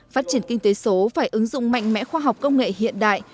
phát triển kinh tế số phải ứng dụng mạnh mẽ khoa học công nghệ hiện đại